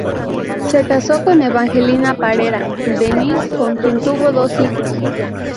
Se casó con Evangelina Parera Denis, con quien tuvo dos hijos.